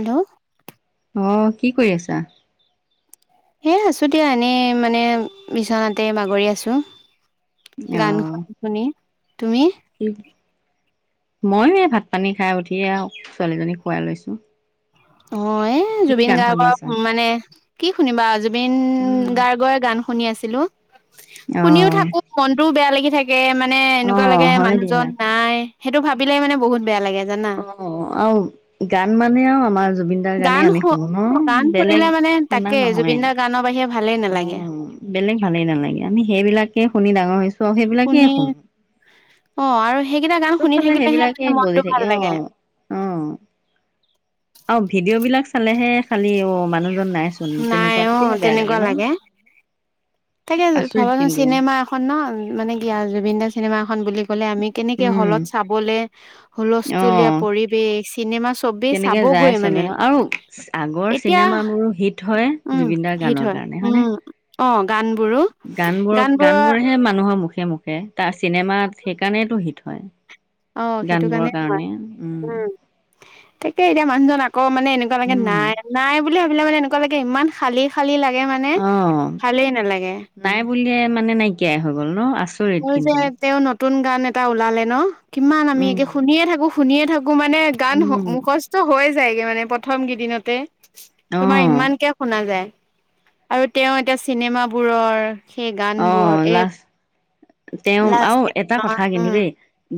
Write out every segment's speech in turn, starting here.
Hello অ', কি কৰি আছা? এ, আছো দিয়া, এনেই মানে বিচনাতে বাগৰি আছো। গান শুনি, শুনি। তুমি? মই এই ভাত পানী খাই উঠিয়ে আৰু ছোৱালীজনীক খুৱাই লৈছো। অঁ এ এ, কি জুবিন গান শুনি গাৰ্গক আছা? মানে, কি শুনিবা জুবিন উম, গাৰ্গই গান শুনি আছিলো। শুনিও অ', থাকো, মনটোও বেয়া লাগি থাকে, মানে এনেকুৱা অ', লাগে হয় দিয়া। মানুহজন নাই। সেইটো ভাবিলে মানে বহুত বেয়া লাগে জানা। অ', আৰু গান মানে আৰু আমাৰ জুবিন- দাৰ গানেই গান আমি শু, শুনো ন' গান বেলেগ শুনিলে মানে শুনা তাকেই, নহয়। জুবিনদাৰ গানৰ বাহিৰে ভালেই নালাগে। অ', বেলেগ ভালেই নালাগে, আমি সেইবিলাকে শুনি ডাঙৰ হৈছো আৰু সেইবিলাকেই শুনি শুনো। অ আৰু সেইকেইটা গান শুনি চবফালে থাকিলেহে সেইবিলাকে মানে মনটো বজি ভাল থাকে অ'। লাগে অ', আৰু ভিডিঅ'বিলাক চালেহে খালি অ' মানুহ অ নাই চোন তেনেকুৱা তেতিয়াহে বেয়া লাগে। কোৱা ন' লাগে তাকে আচৰিত ভগবানৰ কিন্তু। চিনেমা খন ন মানে কি আ জুবিন দাৰ চিনেমাখন বুলি ক'লে আমি কেনেকে উম হলত চাবলে হুলস্থুলিয়া অ', পৰিবেশ চিনেমা সবে কেনেকে যায় চাবগৈ চবে মানে এতিয়া হীট হয়। উম জুবিন দাৰ হিট গানৰ হয়, কাৰণে হয়নে? উম অ গানবোৰো, গানবোৰৰ হে মানুহৰ মুখে মুখে তাৰ চিনেমাত সেইকাৰণেইটো হিট হয়। অ সেইটো গানবোৰৰ হয় কাৰণে উম। তাকে এতিয়া মানুহজন আকৌ মানে এনেকুৱা লাগে উম। নাই নাই বুলি ভাবিলে মানে এনেকুৱা লাগে ইমান খালি খালি লাগে মানে অ', ভালেই নালাগে। নাই বুলিয়ে মানে নাইকিয়াই হৈ গ'ল ন আছ কোয় যে তেওঁ নতুন গান এটা ওলালে ন, কিমান আমি উম, একে শুনিয়ে থাকো শুনিয়ে থাকো মানে গান হ উম, মুখস্থ হৈ যায়গে মানে প্রথম কেইদিনতে। তোমাৰ অ', ইমানকে শুনা যায় আৰু তেওঁ এতিয়া চিনেমাবোৰৰ সেই গানবোৰ অ', এই লাষ্ট তেওঁ আৰু লাষ্ট এটা কথা কিন্তু উম দেই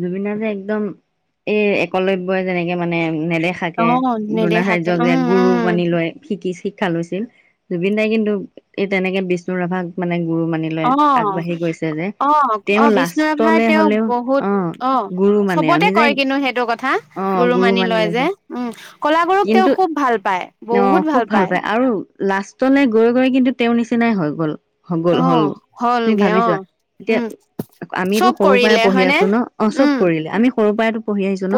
জুবিনৰ যে একদম এই একলব্যই যেনেকে মানে নেদেখ থাকে, অ নেদেখাকে দ্ৰোনাচাৰ্য যে উম গুৰু উম মানি লয়। শিকিচ শিক্ষা লৈছিল, জুবিন দাই কিন্তু এই তেনেকে বিষ্ণু ৰাভাক মানে গুৰু মানে লে অ আগবাঢ়ি গৈছে যে অ অ তেওঁ বিষ্ণু ৰাভাৰ লাষ্টলে তেওঁক হলেও বহুত অ। অ গুৰু মানে আৰু চবতে নিজে কয় কিন্তু সেইটো কথা। গুৰু মানি লয় যে, উম কলা গুৰুক তেওঁ কিন্তু খুব ভাল পায়। অ বহুত খুব ভাল পায় পাই আৰু লাষ্টলৈ গৈ গৈ কিন্তু তেওঁৰ নিচিনাই হৈ গ'ল। হবল অ হল, তুমি হলগে অ ভাবিছোৱা এতিয়া উম আমিতো চব সৰুৰ পৰাই কৰিলে পঢ়ি হয়নে? আছো ন, অ চব উম, কৰিলে আমি সৰু পৰাইটো ন পঢ়ি আহিছো ন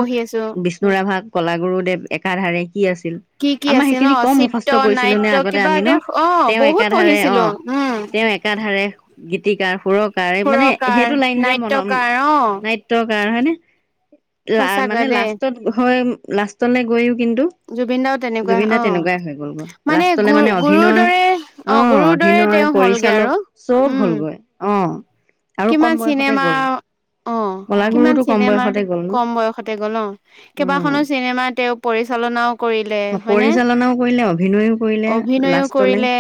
বিছ [unintelligible] কলাগুৰুদেৱ এধাৰে কি আছিল? কি কি আমাৰ আছিল ন সেইখিনি কম চিত্ৰ, মুখস্থ কৰিছিলো নে নাট্য আগতে আমি ন, কিবাকে অ' তেওঁ বহুত একাধাৰে অ পঢ়িছিলো উম। তেওঁ এ কাধাৰে গীতিকাৰ সুৰক কাৰে মানে সুৰকাৰ, সেইটো লাইন যে মন নাট্যকাৰ অ' নাট্যকাৰ হয় নে? লা সঁচাকে মানে দেই। লাষ্টত হয় লাষ্টলৈ গৈও কিন্তু জুবিন দা তেনেকুৱা জুবিন দা তেনেকুৱাই হৈ গ'লগৈ অ মানে লাষ্টলে গু গুৰুৰ অভিনয় দৰে অ গুৰুৰ দৰে অভিনয় তেওঁ হলগে পৰিচালক আৰু। চব উম, হ'লগৈ অহ। কিমান চিনেমা অ কিমান কলাগুৰুতো কম চিনেমা বয়সতে গ'ল ন কম বয়সতে গ'ল অ উম কেইবাখনো চিনেমা তেওঁক পৰিচালনাও কৰিলে হয়নে? পৰিচালনাও কৰিলে অভিনয়ো কৰিলে অভিনয়ও লাষ্টলে কৰিলে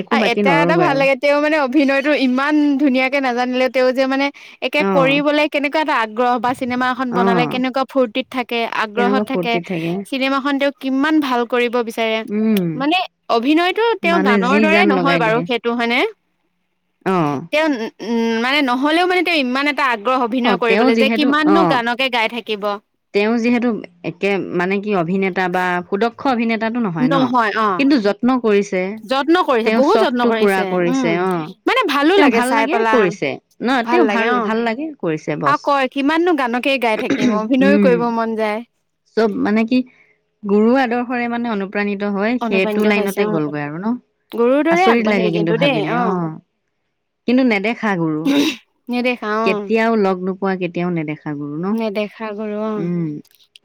একো আ বাকী এটা এটা নৰলগৈ ভাল আৰু লাগে। তেওঁ মানে অভিনয়টো ইমান ধুনীয়াকে নাজানিলে তেওঁ যে মানে একে অ কৰিবলৈ কেনে কা এটা আগ্ৰহ বা চিনেমা এখন অ বনালে কেনেকুৱা ফূৰ্তিত থাকে, আগ্ৰহত কেনেকুৱা থাকে ফূৰ্তিত চিনেমাখন তেওঁ কিমান ভাল কৰিব বিচাৰে। উম মানে অভিনয়টো তেওঁ মানে গানৰ যি দৰে জান নহয় লগাই বাৰু দিয়ে হে টো হয় নে? অ তেওঁ উ মানে নহ'লেও মানে তেওঁ ইমান এ টা আগ্ৰহ অ অভিনয় তেওঁ কৰিবলৈ যে যিহেতু কিমাননো অ গানকে গাই থাকিব। তেওঁ যিহেতু একে মানে কি অভিনেতা বা সুদক- ক্ষ অভিনেতাটো নহয় ন। কিন্তু য- যত্ন কৰিছে, যত্ন কৰিছে তেওঁৰ বহুত যত্ন চখটো পুৰা উম কৰিছে অঁ, মানে ভালো তেওঁ ভাল চাই লাগে পেলা কৰিছে। ন তেওঁ লাগে ভাল অ ভাল লাগে। কৰিছে আৰু বছ কয় কিমাননো গানকেই গাই থাকিম, অভিনয়ো উম কৰিব মন যায়। চব মানে কি গুৰুৰ আদৰ্শৰে মানে অনু- অনুপ্ৰাণিত হৈ, সেইটো অনুপ্ৰাণিত হৈছে লাইনতে অ গ'লগৈ আৰু ন। গৰুৰ দৰে আচৰিত আগবাঢ়িল লাগে কিন্তু দেই ভাবিলে অ অঁ, কিন্তু নেদেখা গুৰু। নেদেখা অঁ। কেতিয়াও লগ নোপোৱা, কেতিয়াও নেদেখা। গুৰু ন নেদেখা গুৰু অঁ। উম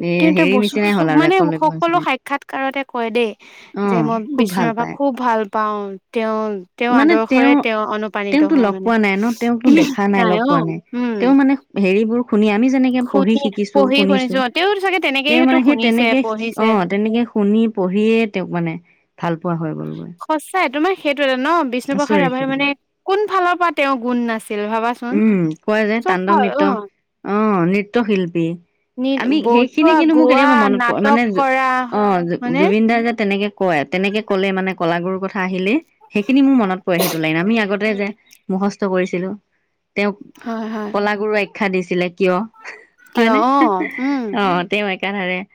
এ কিন্তু হেৰি ব নিচিনাই হ'ল আৰু মানে একলব্য সকলো নিচিনাই সাক্ষাৎকাৰতে কয় দেই অ যে, মই খুব বিষ্ণু ভাল ৰাভাক- পায় খুব ভাল পাওঁ, তেওঁ- তেওঁ আদৰ্শৰে তেওঁ অনুপ্ৰাণিত তেওঁকতো হোৱা লগ মানে পোৱা নাই ন তেওঁকতো নাই অঁ, উম। হেৰি বোৰ শুনি আমি যেনেকে- পঢ়ি শুনি শিকিছো, পঢ়ি শুনিছো। অ, তেওঁ চাগে তেনেকেই তেওঁ সেইটো মানে সেই শুনিছে তেনেকে পঢ়িছে অঁ, তেনেকে- শুনি, পঢ়িয়ে তেওঁক মানে ভাল পোৱা হয়। সঁচাই, তোমাৰ সেইটো এটা ন বিষ্ণুপ্ৰসাদ আচৰিত ৰাভাৰ কিন্তু মানে- কোন ফালৰ পৰা তেওঁ গুণ নাছিল, ভাবাচোন। উম, কয় যে চব তাণ্ডৱ হয় নৃত্য। অ অঁ, নৃত্য শিল্পী। নি আমি সেইখিনি বজোৱা কিন্তু মোক গোৱা কেতিয়াবা মনত পৰে নাটক মানে কৰা অঁ, হয়নে জুবিন দা যে তেনেকে- কয়। তেনেকে ক'লে মানে কলাাগুৰুৰ কথা আহিলে, সেইখিনি মোৰ মনত পৰে। সেইটো লাইন আমি আগতে যে- মুখস্থ কৰিছিলোঁ। তেওঁক হয় হয় কলাগুৰু আখ্যা দিছিলে কিয়, কিয় হয়নে অ উম অঁ। তেওঁ একাধাৰে-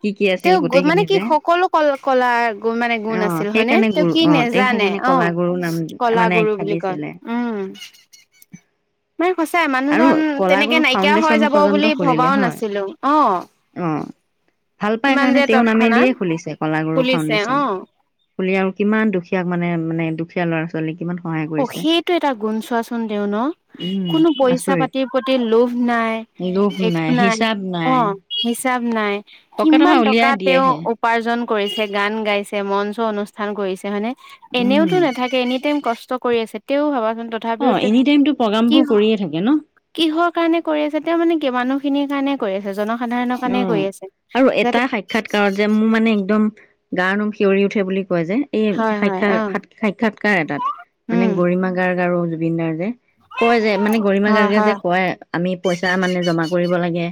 কি কি আছিল তেওঁ মানে গোটেইখিনি কি যে। অঁ, সকলো কল কলাৰ মানে গুণ আছিল হয়নে সেইকাৰণে তেওঁ গুৰু। কি অঁ, তেওঁ নেজানে সেইকাৰণে- অ কলাগুৰু নাম কলা মানে গুৰু আখ্যা বুলি কয় দিছিলে। উম মানে সঁচাই আৰু মানুহজন তেনেকে কলাগুৰু নাইকিয়া হৈ ফাউণ্ডেশ্যন যাব বুলি ভবাও নাছিলো অঁ। অঁ, ভাল পাই কাৰণে তেওঁ তৎক্ষণাত নামেদিয়ে খুলিছে কলাগুৰু খুলিছে অ ফাউণ্ডেশ্যন। খুলি আৰু কিমান দুখীয়া মানে মানে দুখীয়া ল'ৰা- ছোৱালীক কিমান সহায় কৰে। অঁ, সেইটো এটা গুণ চোৱাচোন। তেওঁ ন উম কোনো- পইচা আচৰিত পাতিৰ প্ৰতি লোভ নাই, লোভ - একো নাই হিচাপ নাই অঁ, হিচাপ নাই, পকেটৰ কিমান পৰা টকা উলিয়াই তেওঁ- দিয়েহে উপাৰ্জন কৰিছে, গান গাইছে, মঞ্চ অনুষ্ঠান কৰিছে, হয়নে? উম এনেওতো নাথাকে, এনি টাইম কষ্ট কৰি আছে। তেও ভাবাচোন ত- অঁ, এনি টাইমতটো প্ৰগ্ৰাম বোৰ কৰিয়ে থাকে ন। কিহৰ কাৰণে কৰি আছে, তেওঁ মানে কি মানুহ খিনিৰ কাৰণে কৰি আছে, জন- সাধাৰণৰ কাৰণে কৰি আছে। যাতে- সাক্ষাৎকাৰ যে মোৰ মানে একদম গা নোম শিঞৰি উঠে বুলি কয় যে। এই হয় হয় অ সাক্ষাৎ সাক্ষাৎকাৰ এটাত মানে উম গৰিমা গাৰ্গ আৰু জুবিন গাৰ্গে - কয় যে মানে গৰিমা হয় গাৰ্গীয়ে হয় যে কয় আমি পইচা মানে জমা কৰিব লাগে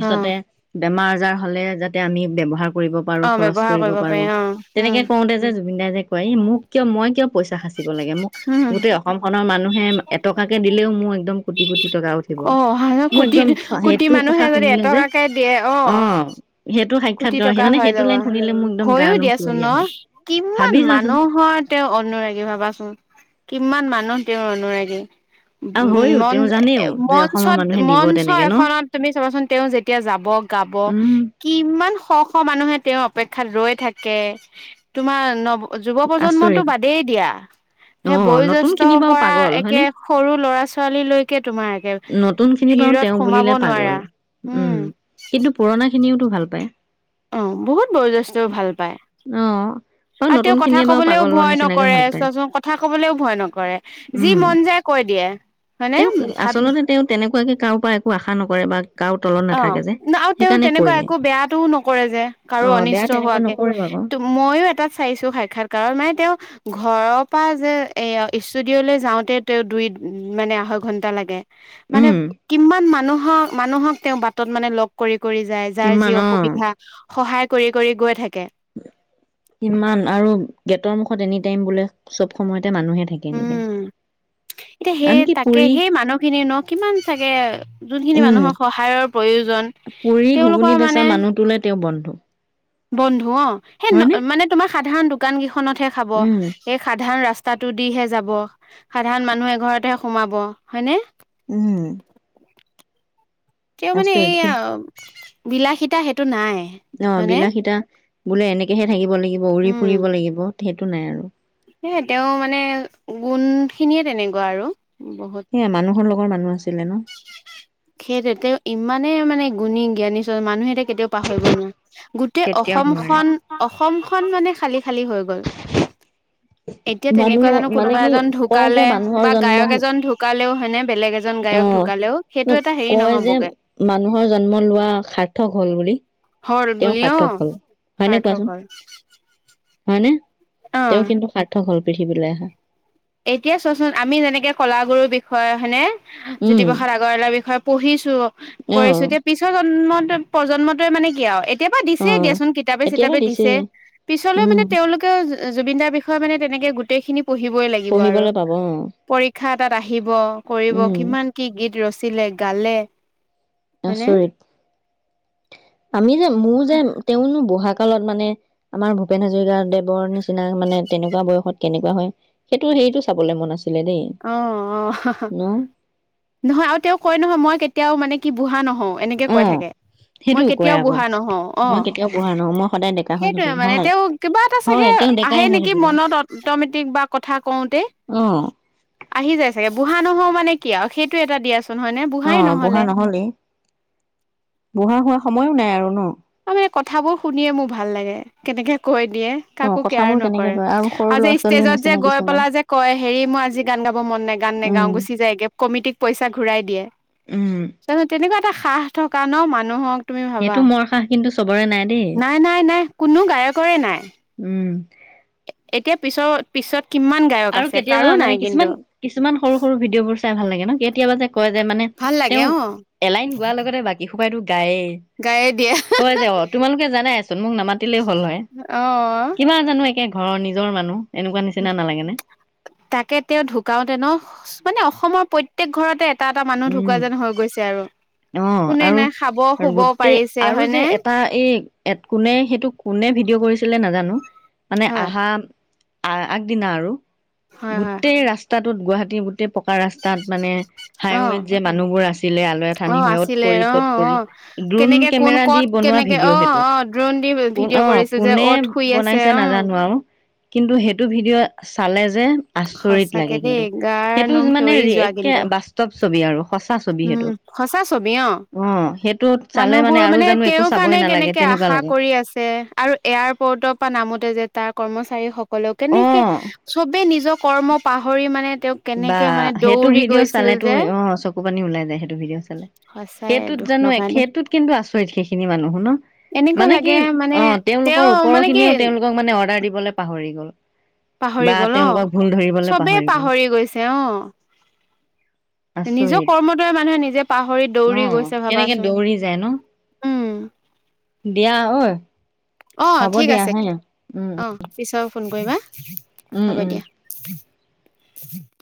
অ বেমাৰ আজাৰ হলে যাতে আমি ব্যৱহাৰ- কৰিব পাৰো, অ খৰচ ব্যৱহাৰ কৰিব পাৰি পাৰোঁ। অ উম তেনেকে কওঁতে যে জুবিন দাৰ যে কয়, মোক কিয়, মই কিয়- পইচা সাচিব লাগে। মোক উম গোটেই অসম খনৰ মানুহে এটকাকে দিলেও মোৰ একদম কোটি কোটি টকা উঠি- অ মানুহে কোটি কোটি কথা মানুহে যদি শুনিলে যে এটকাকে দিয়ে অ। সেইটো সাক্ষাৎ কোটি কৰে সেই টকা মানে হৈ সেইটো যাব, লাইন শুনিলে মোৰ একদম গাৰ হৈয়ো নোম দিয়াচোন শিউৰি আহে ন কিমান ভাবি চোৱাচোন মানুহৰ তেওঁৰ অনুৰাগী ভাবাচোন? কিমান মানুহ তেওঁৰ অনুৰাগী? উ আৰু হয়ও মন তেওঁ এ জানেও যে অসমৰ মঞ্চত মানুহে দিব মঞ্চ তেনেকে ন এখনত তুমি চাবাচোন তেওঁ যেত তিয়া যাব গাব উম কিমান শ শ মানুহে তেওঁৰ অপেক্ষাত ৰৈ থাকে, তোমাৰ ন অ যুৱ প্ৰজন্মটো আচৰিত বাদেই দিয়া অ সেই নতুন বয়োজ্যেষ্ঠৰ খিনি বাৰু পৰা পাগল একে হয়নে সৰু ল'ৰা ছোৱালী লৈকে তোমাৰ একে নতুনখিনি বাৰু ভিৰত তেওঁ সোমাব বুলিলে পাগল নোৱাৰা উম কিন্তু পুৰণাখিনিওতো ভাল পায়। অ বহুত বয়োজ্যেষ্ঠও ভাল পায়। অহ। আৰু তেওঁ কথা কবলৈও ভয় নকৰে, ভাল পায় চোৱাচোন কথা কবলৈও ভয় নকৰে। যি উম মন যায় কৈ দিয়ে হয়নে? তেওঁক ভা আচলতে তেওঁ তেনেকুৱাকে কাৰো পৰা একো আশা নকৰে বা কাৰো তলত অ, নাথাকে যে না আৰু তেওঁ সেইকাৰণে কৈ তেনেকুৱা দিয়ে একো বেয়াটোও নকৰে যে অ কাৰো বেয়া অনিষ্ট তেনেকুৱা হোৱাকে নকৰিব আকৌ তো ময়ো এটাত চাইছো সাক্ষাৎকাৰত মানে তেওঁ ঘৰৰ পৰা যে এই ষ্টুডিঅ'লৈ যাওঁতে তেওঁ দুই মানে আঢ়ৈ ঘন্টা লাগে। মানে উম কিমান মানুহক মানুহক তেওঁ বাটত মানে লগ কৰি কৰি যায় যাৰ যি কিমান অ অসুবিধা সহায় কৰি কৰি গৈ থাকে। ইমান আৰু গেটৰ মুখত এনি টাইম বোলে চব সময়তে মানুহে থাকে এনি টাইম। [inaudible] তে সেই তাকে পুৰি সেই মানুহখিনিৰ ন কিমান চাগে যোনখিনি উম মানুহৰ সহায়ৰ প্ৰয়োজন পুৰি, তেওঁলোকৰ ঘুগুনি বেচা মানে মানুহটোলৈ তেওঁ বন্ধু। বন্ধু অ সেই হয়নে ন মানে তোমাৰ সাধাৰণ দোকান কেইখনতহে খাব। উম সেই সাধাৰণ ৰাস্তাটো দিহে যাব, সাধাৰণ মানুহ এঘৰতহে সোমাব হয় নে? উম। তেওঁৰ মানে আচৰিত সি এইয়া বিলাসীতা সেইটো নাই। অ হয়নে বিলাসীতা বোলে এনেকেহে থাকিব লাগিব, উৰি উম ফুৰিব লাগিব সেইটো নাই আৰু। সেইয়ে তেওঁৰ মানে গুণখিনিয়ে তেনেকুৱা আৰু বহুত। এয়া মানুহৰ লগৰ মানুহ আছিলে ন? সেইটোৱে তেওঁ ইমানে মানে গুণী জ্ঞানী চ মানুহে তেওঁক কেতিয়াও পাহৰিব নোৱাৰে। গোটেই কেতিয়াও নোৱাৰে অসমখন, অসমখন মানে খালী খালী হৈ গ'ল। এতিয়া মানুহ তেনেকুৱা জানো মানে কোনোবা কি এজন কয় যে ঢুকালে মানুহৰ বা জন্ম গায়ক এজন ঢু কালেও হয় নে বেলেগ এজন অ গায়ক ঢুকালেও সেইটো এটা [unintelligible] হেৰি কয় যে নহ'বগে মানুহৰ জন্ম লোৱা সাৰ্থক হ'ল বুলি হ'ল তেওঁ বুলি অ সাৰ্থক হ'ল হয় নে কোৱাচোন? হয় নে অ তেওঁৰ কিন্তু সাৰ্থক হ'ল পৃথিবীলৈ আহা। এতিয়া চোৱাচোন আমি যেনেকে কলা গুৰুৰ বিষয়ে হয় নে উম জ্যোতিপ্ৰসাদ আ গৰৱালাৰ বিষয়ে পঢ়িছো অ কৰিছো এতিয়া পিছৰ জন্মত প্ৰজন্মটোৱে মানে কি আৰু এত তিয়াৰ পৰা অ দিছে দিয়াচোন কিতাপে - এতিয়াবা চিতাপে দিছে, দিছেই পিছলৈ উম মানে তেওঁলোকে তো জু জুবিনদাৰ বিষয়ে মানে তেনেকে গোটেইখিনি পঢ়িবই লাগিব আৰু। পঢ়িবলৈ পাব অ পৰীক্ষা এটাত আহিব কৰিব উম কিমান কি গীত ৰচিলে গালে হয়নে আচৰিত, আমি যে মোৰ যে তেওঁনো বুঢ়া কালত মানে আমাৰ ভূপেন হাজৰিকাদেৱৰ নিচিনা মানে তেনেকুৱা বয়সত কেনেকুৱা হয়? সেইটো হেৰিটো চাবলৈ মন আছিলে দেই। অ অ হ হ। ন নহয় আৰু তেওঁ কয় নহয় মই কেতিয়াও মানে কি বুঢ়া নহওঁ এনেকে অ কৈ থাকে। মই সেইটো কয় কেতিয়াও আকৌ বুঢ়া নহওঁ অ, মই কেতিয়াও বুঢ়া নহওঁ মই সদায় ডেকা হৈ সেইটোৱে থাকিম মানে হয় তেওঁ কিবা এটা হয় চাগে তেওঁ ডেকাই আহে হৈ নেকি থাকিলে মনত অট মেটিক বা কথা কওঁতে অ। আহি যায় চাগে, বুঢ়া নহওঁ মানে কি আৰু সেইটো এটা দিয়াচ অ বুঢ়া নহ'লেই, বুঢ়া হোৱা সময়ো নাই আৰু ন? আ মানে কথাবোৰ শুনিয়ে মোৰ ভাল লাগে কেনেকে কৈ দিয়ে। অ কাকো কথাবোৰ কেয়াৰ কেনেকে নকৰে কয় সৰু আৰু ল'ৰা যে ছোৱালীৰ ষ্টেজত নিচিনা যে গৈ কিছুমান পেলাই যে কয় হেৰি মই আজি গান গাব মন নাই, গান উম। নেগাও, গুচি যায় গে কমিটিক পইচা ঘূৰাই দিয়ে। উম। তাৰপিছত তেনেকুৱা এটা সাহ থকা ন মানুহক তুমি ভাবা সেইটো মৰ সাহ কিন্তু চবৰে নাই দেই নাই নাই নাই কোনো গায়কৰে নাই। উম। এ এতিয়া পিছত পিছত কিমান গায়ক আৰু আছে কেতিয়াবা কাৰো নাই মানে কিন্তু কিছুমান কিছুমান সৰু সৰু ভিডিঅ'বোৰ চাই ভাল লাগে ন, কেতিয়াবা যে কয় যে মানে ভাল লাগে তেওঁ অঁ। এলাইন গোৱাৰ লগতে বাকীসোপাই তো গায়েই। গায়ে দিয়া। কয় যে অ তোমালোকে জানাইচোন মোক নামাতিলেই হ'ল হয়। অ'। কিবা জানো একে ঘৰৰ নিজৰ মানুহ, এনেকুৱা নিচিনা নালাগেনে? তাকে তেওঁ ঢুকাওতে ন মানে অসমৰ প্ৰত্যেক ঘৰতে টা এটা মানুহ ঢুকুৱা উম। যেন হৈ গৈছে আৰু। অ কোনে আৰু নাই খাব আৰু শুব গোটেই পাৰিছে আৰু যে হয়নে? এটা এই এত কোনে সেইটো কোনে ভিডিঅ' কৰিছিলে নাজানো, মানে হয়, আহা আ আগদিনা আৰু, হয়, হয়, গোটেই ৰাস্তাটোত গুৱাহাটীৰ গোটেই পকা ৰাস্তাত মানে অ', হাইৱেত যে মানুহবোৰ আছিলে আলয় অঠানি হৈ 'অ ত আছিলে পৰি ত'ত অ', পৰি, অ'। ড্ৰোন কেনেকে কোন কেমেৰা দি ক'ত বনোৱা কেনেকে ভিডিঅ' অ', সেইটো। অ', দ্ৰোণ দি কোন ভিডিঅ' অ কৰিছিল যে কোনে অত শুই আছে বনাইছে অ'। নাজানো আৰু কিন্তু সেইটো ভিডিঅ' চালে যে আচৰিত সঁচাকে লাগে দেই কিন্তু গাৰ সেইটো নোম মানে শিয়ৰি যোৱা একে কিন্তু বাস্তৱ ছবি আৰু। সঁচা ছবি উম, সেইটো। সঁচা ছবি অ সেইটোত চালে মানে আৰু জানো একো চাবই নালাগে কে তেনেকুৱা আশা লাগে। কৰি আছে আৰু এয়াৰপৰ্টৰপৰা নামোতে যে তাৰ কৰ্মচাৰীস ক'লেও কেনেকে চবে নিজৰ কৰ্ম পাহৰি মানে তেওঁক বা কেনেকে মানে সেইটো দৌৰি ভিডিঅ' গৈছিল চালেতো যে অ চকু পানী ওলাই যায় সেইটো ভিডিঅ' চালে, সঁচাই সেইটোত দুখ জানো লগা দেই সেইটোত কিন্তু আচৰিত সেইখিনি মানুহো ন? এনেকুৱা মানে লাগে কি মানে অ' তেওঁলোকৰ তেওঁ মানে কি ওপৰখিনিও তেওঁলোকক মানে অৰ্ডাৰ দিবলৈ পাহৰি গ'ল। পাহৰি বা গল অ', তেওঁলোকক ভুল ধৰিবলৈ চবে গ'ল পাহৰি গৈছে অ। নিজৰ আচৰিত কৰ্মৰ দৰে মানুহে নিজে পাহৰি দৌৰি অ'। গৈছে কেনেকে ভাবাচোন! দৌৰি যায় ন উম দিয়া অ। অ ঠিক আছে দিয়া, উম, উম, অ। পিছত ফোন কৰিবা, উম, হ'ব উম। দিয়া।